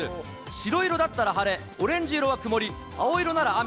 白色だったら晴れ、オレンジ色は曇り、青色なら雨。